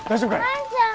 万ちゃん。